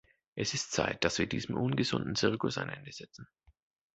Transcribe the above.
Es ist Zeit, dass wir diesem ungesunden Zirkus ein Ende setzen.